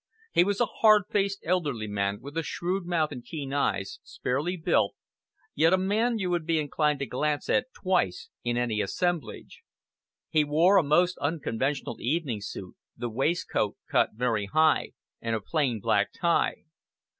He was a hard faced, elderly man, with a shrewd mouth and keen eyes, sparely built, yet a man you would be inclined to glance at twice in any assemblage. He wore a most unconventional evening suit, the waistcoat cut very high, and a plain black tie.